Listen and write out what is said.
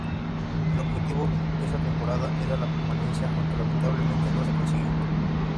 El objetivo esa temporada era la permanencia, aunque lamentablemente no se consiguió.